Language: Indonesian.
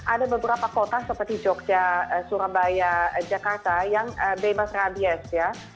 ada beberapa kota seperti jogja surabaya jakarta yang bebas rabies ya